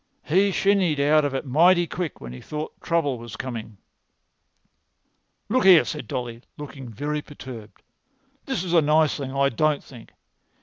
"He shinned out of it mighty quick when he thought trouble was coming." "Look here," said Dolly, looking very perturbed, "this is a nice thing, I don't think.